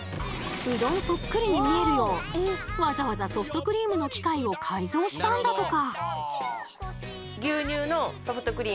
うどんそっくりに見えるようわざわざソフトクリームの機械を改造したんだとか！